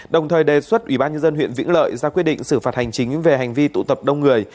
đồng thời đề xuất ủy ban nhân dân huyện vĩnh lợi ra quyết định xử phạt hành chính về hành vi tụ tập đông người